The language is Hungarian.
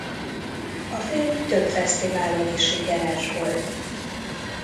A film több fesztiválon is sikeres volt.